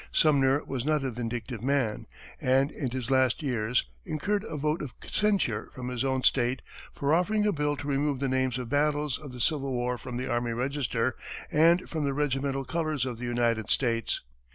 Sumner was not a vindictive man, and in his last years, incurred a vote of censure from his own State for offering a bill to remove the names of battles of the Civil War from the Army Register and from the regimental colors of the United States.